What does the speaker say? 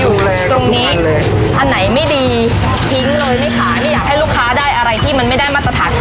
อยู่แรงตรงนั้นรังอยู่ตรงนี้อันที่ไม่ดี